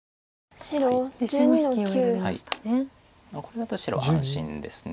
これだと白は安心です。